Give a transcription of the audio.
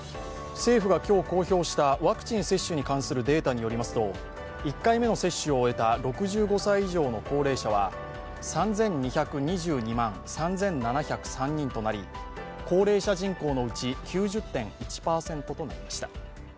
政府が今日公表したワクチン接種に関するデータによりますと１回目の接種を終えた６５歳以上の高齢者は３２２２万３７０３人となり高齢者人口のうち９１．１％となりました。